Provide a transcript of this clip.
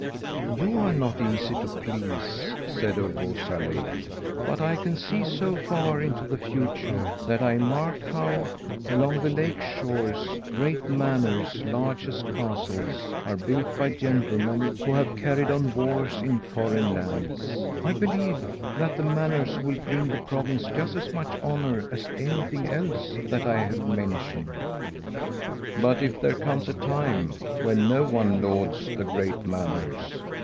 "'You are not easy to please,' said Ulvåsa lady, 'but I can see so far into the future that I mark how, along the lake shores, great manors large as castles are built by gentlemen who have carried on wars in foreign lands. I believe that the manors will bring the province just as much honour as anything else that I have mentioned.' "'But if there comes a time when no one lauds the great manors?'